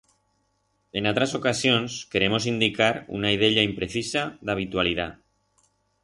En atras ocasions queremos indicar una ideya imprecisa d'habitualidat.